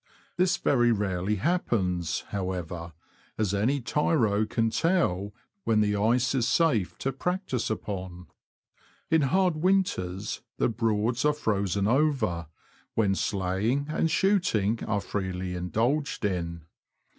This very rarely happens, however, as any tyro can tell when the ice is safe to practise upon. In hard winters, the Broads are frozen over, when sleighing and shooting are freely indulged in.